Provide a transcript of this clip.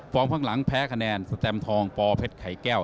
ข้างหลังแพ้คะแนนสแตมทองปอเพชรไข่แก้ว